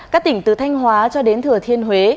các tỉnh từ thanh hóa cho đến thừa thiên huế